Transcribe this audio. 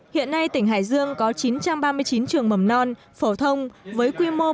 hiện nay tỉnh hải dương có chín trăm ba mươi chín trường mầm non phổ thông với quy mô bốn trăm ba mươi học sinh